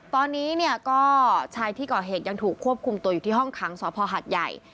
ตอนนี้เนี่ยก็ชายที่ก่อเหตุยังถูกควบคุมตัวอยู่ที่ห้องขังสพหัดใหญ่